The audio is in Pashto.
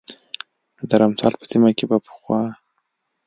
د درمسال په سیمه کې به پخوا